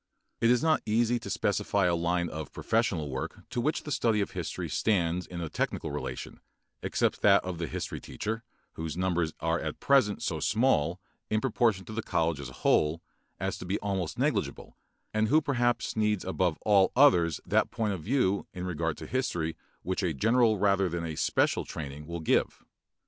It is not easy to specify a line of professional work to which the study of history stands in a technical relation, except that of the history teacher, whose numbers are at present so small, in proportion to the college as a whole, as to be almost negligible, and who perhaps needs above all others that point of view in regard to history which a general rather than a special training will give.